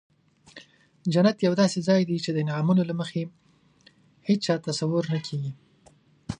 جنت یو داسې ځای دی چې د انعامونو له مخې هیچا تصور نه کوي.